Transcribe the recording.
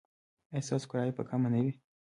ایا ستاسو کرایه به کمه نه وي؟